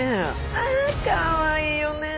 あかわいいよね。